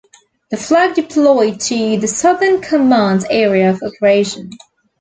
The flag deployed to the Southern Command's Area of Operation.